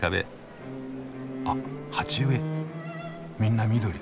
あ鉢植えみんな緑。